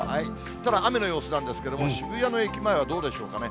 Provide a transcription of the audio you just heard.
ただ、雨の様子なんですが、渋谷の駅前はどうでしょうかね。